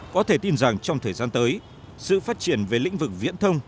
có thể tin rằng trong thời gian tới sự phát triển về lĩnh vực viễn thông